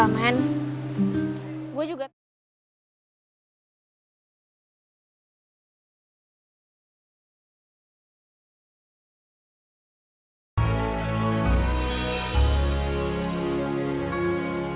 mau bingu ngin budi duit itu ya triedat